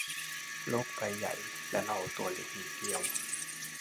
โลกใบใหญ่และเราตัวเล็กนิดเดียว